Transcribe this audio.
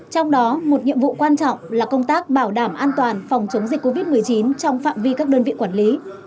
trong đó một nhiệm vụ quan trọng là công tác bảo đảm an toàn phòng chống dịch covid một mươi chín trong phạm vi các đơn vị quản lý